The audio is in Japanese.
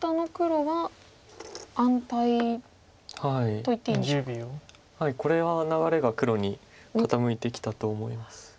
はいこれは流れが黒に傾いてきたと思います。